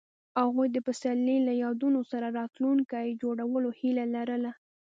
هغوی د پسرلی له یادونو سره راتلونکی جوړولو هیله لرله.